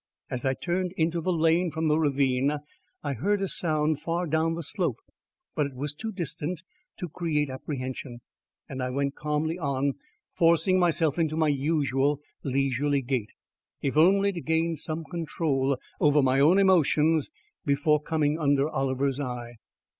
As I turned into the lane from the ravine I heard a sound far down the slope, but it was too distant to create apprehension, and I went calmly on, forcing myself into my usual leisurely gait, if only to gain some control over my own emotions before coming under Oliver's eye.